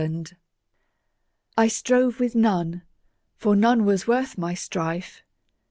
Finis I STROVE with none, for none was worth my strife.